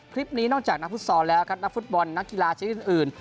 คลิปนี้นอกจากนักฟุตสอร์แล้วนะครับนักฟุตบอลนักกีฬาชนิดอื่น